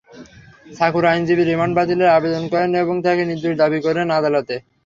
সাকুর আইনজীবী রিমান্ড বাতিলের আবেদন করেন এবং তাঁকে নির্দোষ দাবি করেন আদালতে।